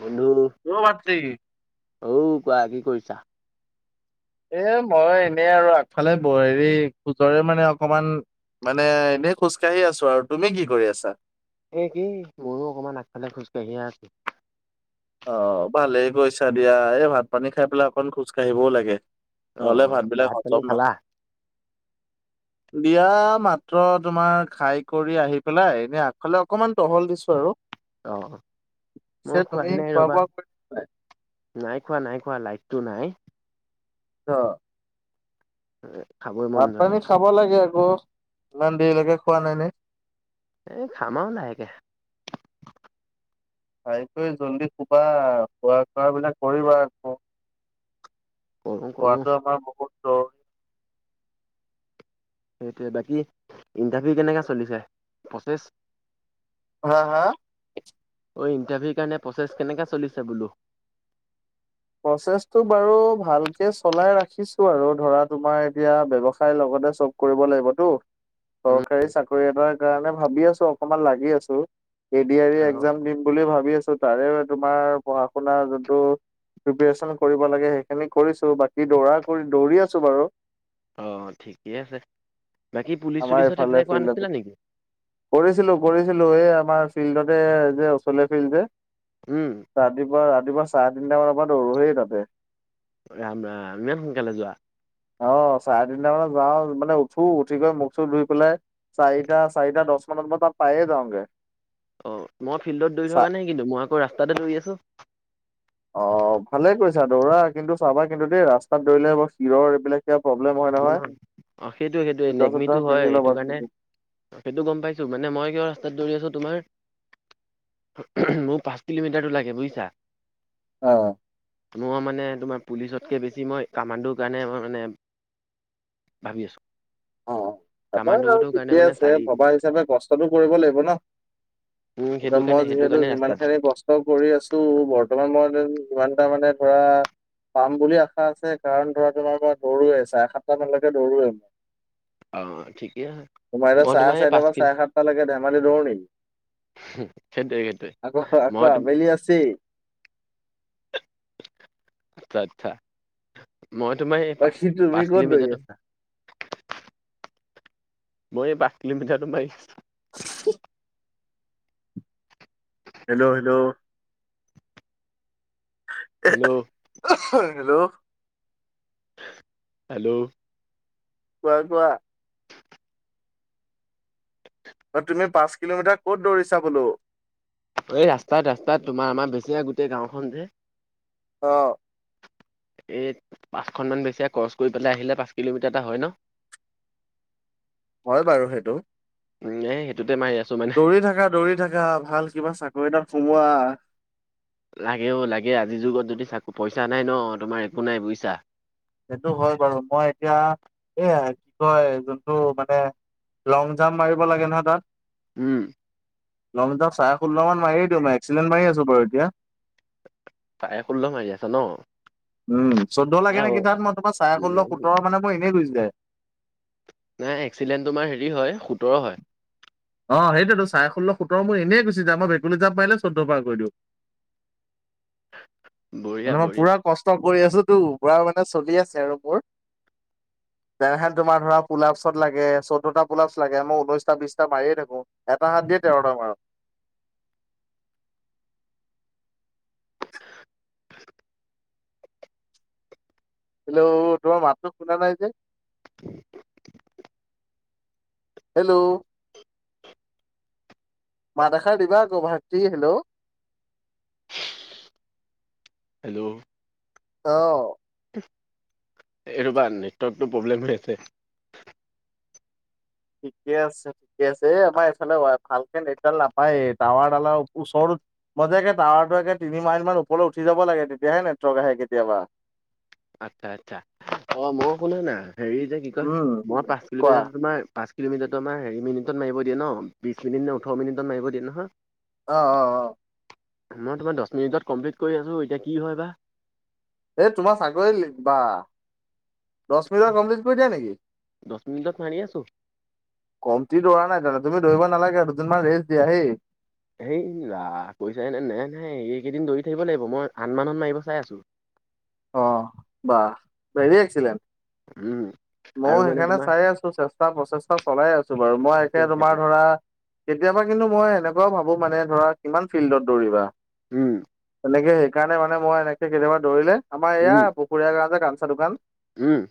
বন্ধু। অ', [unintelligible] অ', কোৱা, কি কৰিছা? এ মই এনেই আৰু আগফালে, ব হেৰি খোজৰে মানে অকমান মানে, এনে খোজ কাঢ়ি আছোঁ আৰু। তুমি কি কৰি আছা? একেই, মইও অকমান আগফালে খোজকাঢ়িয়ে আছোঁ। অ', ভালেই কৰিছা দিয়া, এই ভাত-পানী খাই পেলাই অকন খোজ কাঢ়িবও লাগে। অ নহ'লে ভাতবিলাক ভাত পানী হজম খালা? নহয়। বিয়া, মাত্ৰ তোমাৰ খাই কৰি আহি পেলাই এনেই আগফালে অকমান টহল দিছোঁ আৰু। অ', পিছে মই তুমি খোৱাই নাই খোৱা ৰ'বা। বোৱা কৰি অ নাই খোৱা, নাই খোৱা, লাইটটো নাই। অ'। এ খাবই মন যোৱা পানী নাই। খাব লাগে আকৌ, ইমান দেৰিলৈকে খোৱা নাই নে। এ খাম আৰু লাহেকে খাই কৈ জল্দি শুবা, শুৱা কৰা বিলাক কৰিবা আকৌ। কৰো কৰো শুৱাটো আমাৰ বহুত দৰ সেইটোৱে বাকী ইণ্টাৰভিউ, কেনেকে চলিছে প্ৰচেছ। হা, হা। অ', ইণ্টাৰভিউৰ কাৰণে প্ৰচেছ কেনেকে চলিছে বোলো? প্ৰচেছটো বাৰু ভালকে চলাই ৰাখিছোঁ, আৰু ধৰা তোমাৰ এতিয়া ব্যৱসায় লগতে চব। কৰিব লাগিবতো। উম চৰকাৰী, চাকৰি এটাৰ কাৰণে ভাবি আছোঁ অকমান লাগি আছো। এ ডি আৰ ই অ একজাম দিম বুলি ভাবি আছোঁ, তাৰে তোমাৰ পঢ়া-শুনাৰ যোনটো প্ৰেপাৰেচন কৰিব লাগে, সেইখিনি কৰিছোঁ। বাকী দৌৰা কৰি, দৌৰি আছোঁ বাৰু। অ', ' ঠিকে আছে, বাকী পুলিচ-চুলিচত এপ্লাই কৰা নাছিলা নেকি? কৰিছিলোঁ, কৰিছিলোঁ এই আমাৰ ফিল্ডতে, যে অচলীয় ফিল্ড যে। উম। ৰাতিপুৱা, ৰাতিপুৱা চাৰে তিনিটামানৰ পৰা দৌৰোঁ হে তাতে। ৰাম, ৰাম ইমান সোনকালে যোৱা। অ', চাৰে তিনিটা মানত যাওঁ মানে উঠো। উঠি গৈ মুখ-চোখ ধুই পেলাই, চাৰিটা, চাৰিটা-দহ মানত মই তাত পায়ে যাওঁগে। অ', মই ফিল্ডত দৌৰি চা থকা নাই কিন্তু, মই আকৌ ৰাস্তাতে দৌৰি আছোঁ। অ', ভালে কৈছা দৌৰা, কিন্তু চাবা কিন্তু, দেই ৰাস্তাত দৌৰিলে শিৰৰ এইবিলাক কিবা প্ৰব্লেম হয়, নহয়। অ সেইটো সেইটোৱে নেগমিটো জোতা-চোতা হয় পিন্ধি সেইটো ল'বা কাৰণে তেনেকে। সেইটো গ'ম পাইছো মানে মই কিয় ৰাস্তাত দৌৰি আছো তোমাৰ মোৰ পাঁচ কিলোমিটাৰটো লাগে বুজিছা। অ', মই মানে তোমাৰ পুলিচতকৈ বেছি মই কামাণ্ডৰ কাৰণে মই মানে ভাবি আছো। অ', চাবা আৰু কামাণ্ডোৰটোৰ কাৰণে ঠিকে মানে আছে চাৰি ভবা হিচাপে কষ্টটো কৰিব লাগিব ন'। উম এয়া সেইটো মই কাৰণে সেইটো যিহেতু কাৰণে যিমান ৰাস্তাত খিনি কষ্ট কৰি আছো বৰ্তমান মই টিমানটা মানে ধৰা পাম বুলি আশা আছে, কাৰণ ধৰা তোমাৰ পৰা দৌৰোৱে চাৰে সাতটা মানলৈকে দৌৰোৱে। অঁ' ঠিকেই আছে। তোমাৰ এতিয়া চাৰে চাৰিটা পৰা চাৰে সাতটা লৈকে ধেমালি দৌৰো নেকী? সেইটোৱে সেইটোৱে। আকৌ মই তো আবেলি আছেই। আচ্ছা, আচ্ছা। মই তোমাৰ এই পাঁচ বাকী তুমি পাঁচ ক'ত দৌৰি কিলোমিটাৰটো আছা? মই এই পাচ কিলোমিটাৰতো মাৰি আছো। অ', [unintelligible] hello hello? Hello? Hello? Hello? কোৱা কোৱা। অ' তুমি পাঁচ কিলোমিটাৰ ক'ত দৌৰিছা বোলো? এই ৰাস্তাত ৰাস্তাত তোমাৰ আমাৰ বেছেৰীয়া গোটেই গাঁওখন যে অ', এই পাঁচখন মান বেছেৰীয়া ক্ৰচ কৰি পেলাই আহিলে পাঁচ কিলোমিটাৰ এটা হয় ন? হয় বাৰু সেইটো। উম' সেইটোতে মাৰি থাক। দৌৰি থাকা দৌৰি থাকা ভাল কিবা চাকৰি এটা সোমোৱা। লাগে অ' লাগে আজিৰ যুগত যদি চা পইচা নাই ন' তোমাৰ একো নাই বুইিছা। সেইটো হয় বাৰু মই এতিয়া এ কি কয় যোনটো মানে লং জাম্প মাৰিব লাগে নহয় তাত। উম', লং জাপ চাৰে ষোল্ল মান মাৰিযে দিওঁ মই, এক্সিেলেণ্ট মাৰি আছো বাৰু এতিয়া। চাৰে ষোল্ল মাৰি আছা ন? উম, চৈধ্য লাগে নেকি তাত, মই তোমাৰ চাৰে ষোল্ল, সোতৰ মানে মোৰ এনেই গুছি যায়। নাই এক্সিলেণ্ট তোমাৰ হেৰি হয়, সোতৰ হয়। অ, সেইটোতো চাৰে ষোল্ল, সোতৰ মোৰ এনেই গুছি যায়। মই ভেকুলী জাম্প মাৰিলেও চৈধ্য পাৰ কৰি দিওঁ। বঢ়িয়া মানে মই বঢ়িয়া পুৰা কষ্ট কৰি আছোঁ তো, পুৰা মানে চলি আছে আৰু মোৰ। যেনেহেন তোমাৰ ধৰা পুলাফছ লাগে, চৈধ্যটা পুলাফছ লাগে। মই ঊনৈশটা, বিশটা মাৰিয়ে থাকোঁ। এটা হাত দিয়ে তেৰটা মাৰো। হেল্ল' তোমাৰ মাতটো শুনা নাই যে? [inaudible] হেল্ল' মাত এষাৰ দিবা আকৌ ভাইটী হেল্ল'? হেল্ল'? অ'। এ, ৰ'বা নেটৱৰ্কটো প্ৰব্লেম হৈ আছে। ঠিকে আছে। ঠিকে আছে, এ, আমাৰ এইফালে ওৱাই ভালকে নেটডাল নাপায়েই, টাৱাৰ ডালৰ ওচৰতো মই যে একে টাৱাৰাটো একে তিনি মাইল মান ওপৰলৈ উঠি যাব লাগে, তেতিয়াহে নেটৱৰ্ক আহে কেতিয়াবা। আচ্ছা, আচ্ছা অ' ময়ো শুনা না, হেৰি যে কি কয়, উম মই পাঁচ কোৱা কিলোমিটাৰটো তোমাৰ পাঁচ কিলোমিটাৰটো আমাৰ হেৰি মিনিটত মাৰিব দিয়ে ন? বিশছ মিনিট নে, ওঠৰ মিনিটত মাৰিব দিয়ে নহয়? অ, অ, অ'। মই তোমাৰ দশ মিনিটত কমপ্লিট কৰি আছোঁ। এতিয়া কি হয় বা? এই তোমাৰ চাকৰি লি বা, দশ মিনিটত কমপ্লিট কৰি দিয়া নেকি? দশ মিনিটত মাৰি আছোঁ। কমটি দৌৰা নাই তেন্তে, তুমি দৌৰিব নালাগে, দুদিনমান ৰেষ্ট দিয়া হেই। হেই ৰা কৈছা হেনে নেহ, নেই এইকেইদিন দৌৰি থাকিব লাগিব। মই আঠ মানত মাৰিব চাই আছোঁ। অহ, বাঃ, ভেৰি এক্সিলেন্ট। উম। ময়ো আৰু মানে সেইকাৰণে তোমাৰ চাই আছোঁ, চেষ্টা, প্ৰচেষ্টা চলাই আছোঁ বাৰু, মই সেইটোৱে একে তোমাৰ সেইটোৱে ধৰা কেতিয়াবা কিন্তু মই এনেকুৱাও ভাবোঁ মানে ধৰা, কিমান ফিল্ডত দৌৰিবা? উম। এনেকে সেইকাৰণে মানে মই এনেকে কেতিয়াবা দৌৰিলে, আমাৰ উম এয়া পুখুৰীয়া গাঁৱৰ যে কাঞ্চা দোকান উম।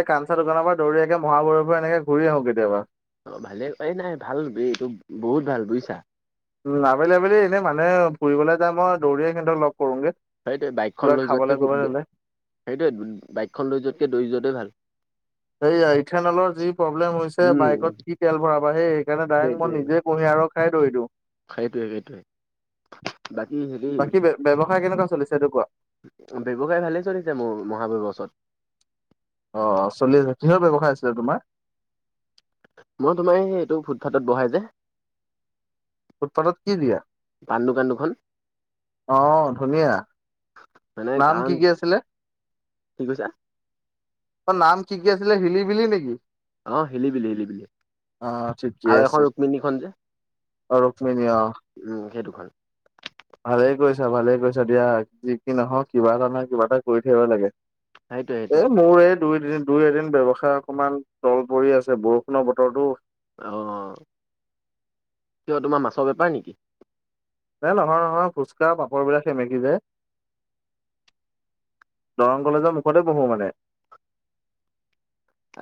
এই কাঞ্চা দোকানৰ পৰা দৌৰি একে, মহাভৈৰৱ পৰা এনেকে ঘূৰি আহো কেতিয়াবা। অ', ভালে। এই নাই ভাল এইটো বহুত ভাল বুজিছা? উম, আবেলি আবেলি এনেই মানুহে ফুৰিবলৈ যায়। মই দৌৰিয়ে সিহঁতক লগ কৰোগে। সেইটোৱে কিবা বাইকখন লৈ খাবলৈ যোৱাতকে কৰিবলৈ সেইটোৱেই, হ'লে। সেইটোৱেই বাইকখন লৈ যোৱাতকে দৌৰি যোৱাটোৱে ভাল। সেইয়া ইথানেলৰ যি প্ৰব্লেম হৈছে উম বাইকত কি তেল ভৰাবা? সেই সেইকাৰণে ডাইৰেক্ট মই সেইটোৱে নিজেই কুঁহিয়া ৰস খাই দৌৰি দিওঁ। সেইটোৱে, সেইটোৱে। বাকী হেৰি বাকী ব্যৱসায় কেনেকুৱা চলিছে এইটো কোৱা। ব্যৱসায় ভালেই চলিছে মোৰ, মহাভৈৰৱৰ ওচৰত। অ', চলি আছে, কিহৰ ব্যৱসায় আছিলে তোমাৰ? মই তোমাৰ এই, এইটো ফুটপাথত বহাই যে। ফুটপাথত কি দিয়া? পাণ দোকান দুখন অ'ধুনীয়া। [inaudible] নাম কি কাৰণ কি আছিলে? কি কৈছা তই নাম কি কি আছিলে, হিলিবিলি নেকি? অ', হিলিবিলি, হিলিবিলি অ' ঠিকে আৰু আছে। এখন ৰুক্মণীখন যে অ', ৰুক্মিণী অ'। উম, সেইদুখন। ভালেই কৰিছা, ভালেই কৰিছা দিয়া। যি কি নহওঁক, কিবা এটা নহয় কিবা এটা কৰি থাকিব লাগে। সেইটোৱে সেইটোৱে এ, মোৰ এই দুই এদিন, দুই এদিন ব্যৱসায় অকনমান তল পৰি আছে, বৰষুণৰ বতৰতো। অঁ, কিয় তোমাৰ মাছৰ বেপাৰ নেকি? এ, নহয়, নহয় ফুচকা, পাপৰ বিলাক সেমেকি যায়। দৰং কলেজৰ মুখতে বহো মানে।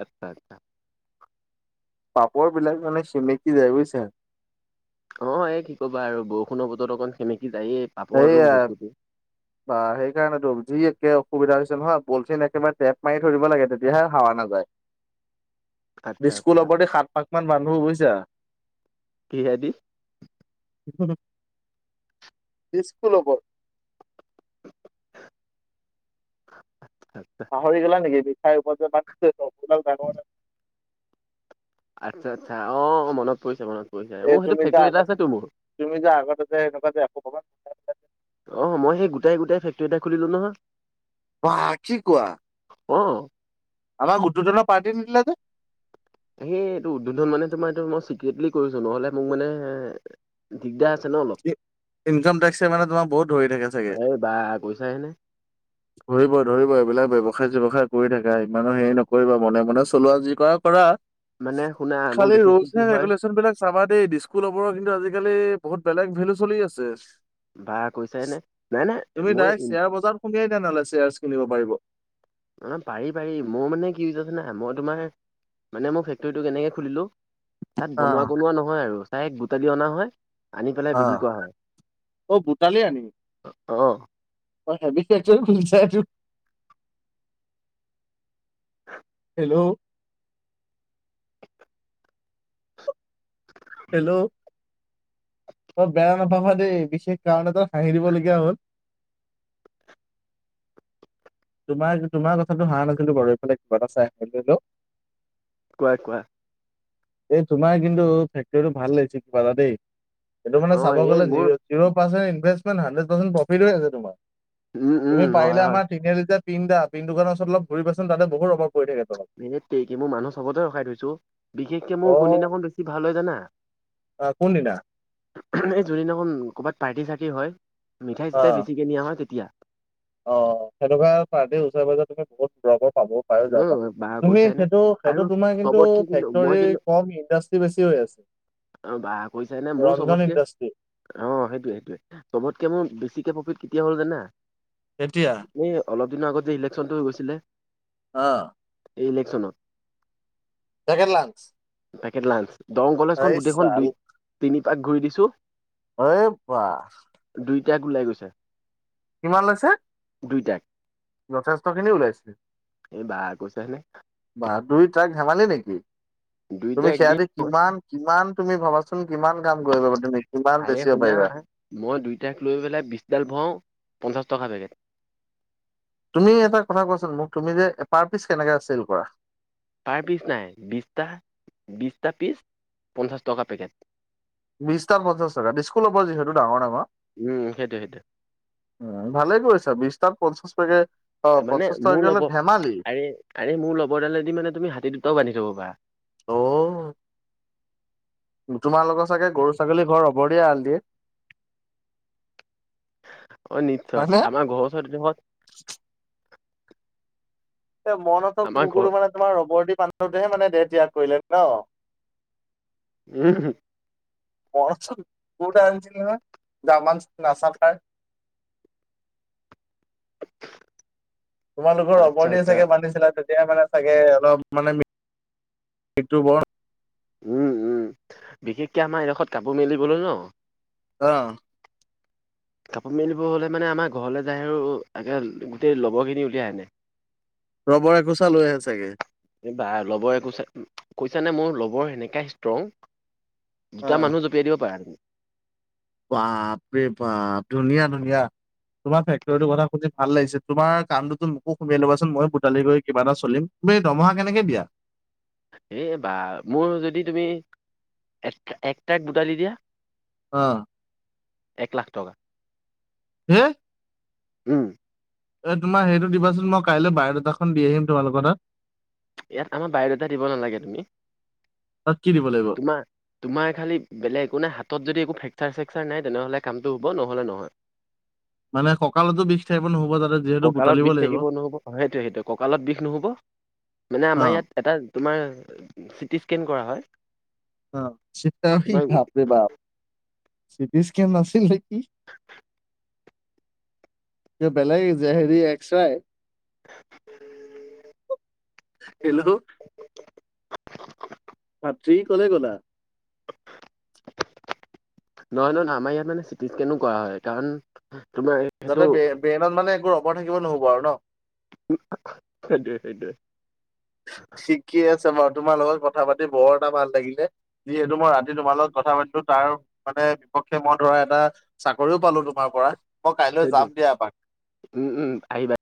আচ্ছা, আচ্ছা। পাপৰ বিলাক মানে সেমেকি যায় বুজিছা। অ', এই কি ক'বা আৰু বৰষুণৰ বতৰত অকণ সেমেকি যায়েই পাপৰ আৰু সেইয়া বস্তুটো [inaudible] বা সেইকাৰণেতো যি একে অসুবিধা হৈছে নহয় বলচিন একেবাৰে টেপ মাৰি ধৰিব লাগে তেতিয়াহে হাৱা আচ্ছা নাযায়। আচ্ছা স্কুলৰ প্ৰতি সাত পাখ মান মানুহ বুজিছা কিহেদি? [inaudible] বিস্কুল ল'ব আচ্ছা আচ্ছা। পাহৰি গলা নেকি [unintelligible] ডাঙৰ আচ্ছা আচ্ছা অ', অ', মনত পৰিছে মনত পৰিছে এ মোৰ সেইটো তুমি যে ফেক্টৰী এটা আগত, আছেতো মোৰ। তুমি যে আগতে যে এনেকুৱা যে একো পাবা অ', মই সেই গোটাই - গোটাই ফেক্টৰী এটা খুলিলো নহয়। বাহ কি কোৱা? অ', আমাৰ গোটোজনৰ পাৰ্টি নিদিলে যে? সেই এইটো উদ্বোধন মানে তোমাৰ এইটো মই চিক্ৰেটলি কৰিছোঁ নহ'লে মোক মানে দিগদাৰ আছে ন' অলপ ইনকাম টেক্সে মানে তোমাক বহুত ধৰি থাকে চাগে এই বা কৈছাহে নে ধৰিব ধৰিব এইবিলাক ব্যৱসায় চ্যৱসায় কৰি থাকা ইমানো হেৰি নকৰিবা মনে মনে চলোৱা যি কৰা কৰা। মানে শুনা মোৰ খালি বিশেষকে ৰলচ কি ন' হয় ৰেগুলেচনছ বিলাক চাবা দেই দিস্কুলৰবোৰৰ কিন্তু আজিকালি বহুত বেলেগ ভেলু চলি আছে বা কৈছাই নে নাই নাই মই [unintelligible] নল'ইছে [unintelligible] কিনিব পাৰিব অ', পাৰি পাৰি মোৰ মানে কি [unintelligible] না মই তোমাৰ মানে মই ফেক্টৰীটো কেনেকে খুলিলোঁ তাত বনোৱা অ', কনোৱা নহয় আৰু তাই এক বুটালি অনা হয় আনি পেলাই বিক্ৰী অ'। কৰা হয় অ' ভূটালি আনি অ', অ' হেভি ফেক্টৰী খুলিছা এইটো হেল্ল' হেল্ল' তই বেয়া নাপাবা দেই বিশেষ কাৰণ এটাত হাঁহি দিবলগীয়া হ'ল। তোমাৰ তোমাৰ কথাটো হাঁহা নাছিলো বাৰু এইফালে কিবা এটা চাই [unintelligible] কোৱা কোৱা এই তোমাৰ কিন্তু ফেকটৰী টো ভাল লাগিছে কিবা এটা দেই এইটো অ মানে চাব এই গলে মোৰ zero percent investment hundred per profit হৈ আছে তোমাৰ। উম, উম সেই পাৰিলে হয় হয় আমাৰ তিনিআলি যে পিন দা পিন দোকানৰ ওচৰত অলপ ঘূৰিবাচোন তাতে বহুত ৰভৰ পৰি থাকে তলত। দেই কি মই মানুহ চবতে ৰখাই থৈছো। বিশেষকে মোৰ কোন অ' দিনাখন বেছি ভাল হয় জানা? আহ, কোনদিনা? এই যোনদিনাখন ক'ৰবাত পাৰ্টি চাৰ্টি হয় মিঠাই চিঠাই অ' বেছিকে নিয়া হয় তেতিয়া অ', সেনেকুৱা পাৰ্ডি ওচৰে পাজৰে তুমি বহুত [unintelligible] পাব পাই যাব, উম বা তুমি কৈছাই নে সেইটো আৰু সেইটো তোমাৰ কিন্তু চবতকে মই ফেক্টৰী কম ইণ্ডাষ্ট্ৰি বেছি হৈ আছে। আৰু বা কৈছে নে মোৰ ৰঞ্জন চবতকে ইণ্ডাষ্ট্ৰি অ', সেইটোয়ে সেইটয়ে চবতকে মোৰ বেছিকে প্ৰফিট কেতিয়া হ'ল জানা? কেতিয়া? এই অলপ দিনৰ আগত যে ইলেকশ্যনটো হৈ গৈছিলে অ'। এই ইলেকশ্যনত? Packet lunch. Packet lunch, Darrang কলেজখন এই গোটেইখন, চাল দুই তিনি পাক ঘূৰি দিছোঁ এই বা! দুই ট্ৰাক ওলাই গৈছে। কিমান লৈছে? দুই ট্ৰাক। যথেষ্ট খিনি ওলাইছিল। এই বা গৈছাহি নে? বা দুই ট্ৰাক ধেমালি নেকি, দুইটা তুমি সেয়া একদিন দি কিমান, কিমান তুমি ভবা চোন কিমান কাম কৰিবা, তুমি কিমান আৰে বেছিব শুনা পাৰিবা। মই দুই ট্ৰাক লৈ পেলাই বিছডাল ভৰাওঁ, পঞ্চাছ টকা থাকে। তুমি এটা কথা কোৱাচোন মোক, তুমি যে পাৰ পিচ কেনেকে আছিল কোৱা? পাৰ পিচ নাই, বিছটা, বিছটা পিছ পঞ্চাছ টকা পেকেট। বিশটা পঞ্চাশ টকা [unintelligible] হ'ব যিহেতু ডাঙৰ, ডাঙৰ। উম সেইটোৱে সেইটোৱে উম, ভালে কৰিছা, বিশ তাত পঞ্চাশ পেকেট মানে মোৰ ল'ব আৰে, আৰে মোৰ ল'বৰডালেদি মানে তুমি হাতী দুটাও বান্ধি থ'ব পাৰা। অ'। তোমালোকৰ চাগে গৰু ছাগলী ঘৰৰ ৰবৰ দিয়ে এৰাল দিয়ে। অ', হয় নিশ্চয়, নে? আমাৰ ঘৰৰ ওচৰত মন হঁতৰ আমাৰ ঘৰ কুকুৰটো মানে তোমাৰ ৰবৰদি বান্ধোতেহে মানে দেহ ত্যাগ কৰিলে ন'? উম। মন [unintelligible] কুকুৰ এটা আনিছিল নহয়, জাৰ্মান নাছাফাৰ তোমালোকৰ আচ্ছা ৰবৰ দিয়ে আচ্ছা চাগে বান্ধিছিলা, তেতিয়া মানে চাগে অলপ মানে মৃত্যু বৰণ উম, উম, বিশেষকে আমাৰ এডোখত কাপোৰ মেলিবলৈ ন' আহ। কাপোৰ মেলিব হ'লে মানে আমাৰ ঘৰলৈ যায় আৰু একে গোটেই লবৰখিনি উলিয়াই আনে। ৰবৰে একোচা লৈ আহে চাগে। এই বা লবৰ একোছা, কৈছা নে মোৰ লবৰ সেনেকা ষ্ট্ৰং অ দুটা মানুহ জঁপিয়াই দিব পাৰে। বাপ্পৰে, বাপ, ধুনীয়া, ধুনীয়া। তোমাৰ ফেক্টৰী টো কথা শুনি ভাল লাগিছে তোৰ কামটোতো মোকো সোমোয়াই ল'বাচোন মইও [unintelligible] কিবা এটা চলিম। তুমি দৰমহা কেনেকে দিয়া? এই বা, মোৰ যদি তুমি, এক, এক ট্ৰাক বুটালি দিয়া অ'। এক লাখ টকা। হে? উম। এ, তোমাৰ হেৰিটো দিবাচোন, মই কাইলৈ বায়'ডাটাখন দি আহিম তোমালোকৰ তাত। ইয়াত আমাৰ বায়'ডাটা দিব নালাগে তুমি, তাত কি দিব লাগিব তোমাৰ তোমাৰ খালী বেলেগ একো নাই, হাতত যদি একো ফ্ৰেকচাৰ-চেকচাৰ নাই তেনেহ'লে কামটো হ'ব, নহ'লে নহয়। [inaudible] মানে ককালটো বিষ থাকিব নহ'ব তাতে, যিহেতু কঁকালত বুটালিব বিষ লাগিব। থাকিব নহ'ব সেইটোৱে সেইটোৱে কঁকালত বিষ নহ'ব মানে অ আমাৰ ইয়াত এটা তোমাৰ, চিটি স্কেন কৰা হয়। অ' চিত্ৰাওশি তোমাৰ বাপ্পৰে বাপ চিটি স্কেন নাছিল নেকি? [inaudible] বেলেগ যে হেৰি এক্স্ৰাই। হেল্ল' ভাত্ৰী ক'লে গ'লা। নহয় নহয় আমাৰ ইয়াত মানে চিটি ইচকেনো কৰা হয় কাৰণ তোমাৰ সেইটো যাতে ব্ৰেইনত মানে একো ৰবৰ থাকিব নহ'ব আৰু ন। সেইটোৱে, সেইটোৱে ঠিকে আছে বাৰু, তোমাৰ লগত কথা পাতি বৰ এটা ভাল লাগিলে। যিহেতু মই ৰাতি তোমাৰ লগত কথা পাতিলো, তাৰ মানে বিপক্ষে মই ধৰা এটা চাকৰিও পালো তোমাৰ পৰা মই কাইলৈ সেইটোৱে যাম দিয়া এপাক। উম, উম, আহিবা।